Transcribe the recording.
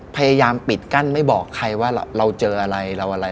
พยายามปิดกั้นไม่บอกใครว่าเราเจออะไรเราอะไร